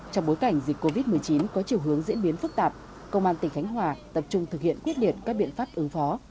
trong bối cảnh dịch covid một mươi chín có chiều hướng diễn biến phức tạp công an tỉnh khánh hòa tập trung thực hiện quyết liệt các biện pháp ứng phó